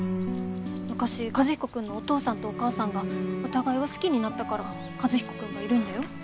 昔和彦君のお父さんとお母さんがお互いを好きになったから和彦君がいるんだよ？